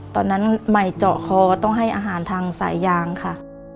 ตอนนั้นใหม่เจาะคอต้องให้อาหารทางสายยางค่ะ